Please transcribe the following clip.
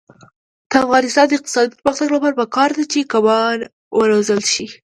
د افغانستان د اقتصادي پرمختګ لپاره پکار ده چې کبان وروزلت شي.